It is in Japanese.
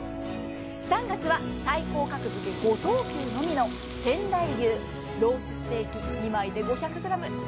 ３月は最高格付５等級のみの仙台牛ロースステーキ２枚で５００ｇ。